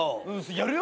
やるよ